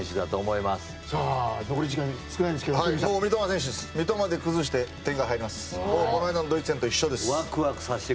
三笘で崩して点が入ります。